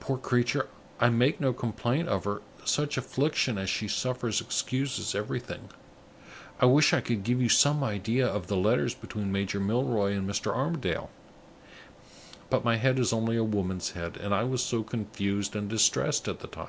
Poor creature, I make no complaint of her; such affliction as she suffers excuses everything. I wish I could give you some idea of the letters between Major Milroy and Mr. Armadale; but my head is only a woman's head, and I was so confused and distressed at the time!